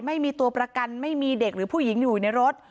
ไม่มีตัวประกันไม่มีเด็กหรือผู้หญิงอยู่ในรถ